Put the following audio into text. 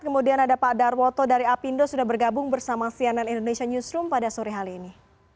kemudian ada pak darwoto dari apindo sudah bergabung bersama cnn indonesia newsroom pada sore hari ini